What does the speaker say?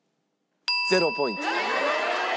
０ポイント。